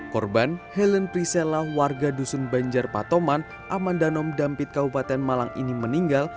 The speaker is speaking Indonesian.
korban helen prisela warga dusun banjar patoman amandanom dampit kabupaten malang ini meninggal